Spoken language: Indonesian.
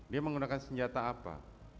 dia menggunakan senjata apa